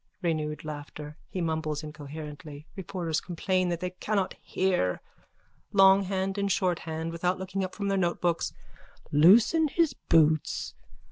_ (Renewed laughter. He mumbles incoherently. Reporters complain that they cannot hear.) LONGHAND AND SHORTHAND: (Without looking up from their notebooks.) Loosen his boots.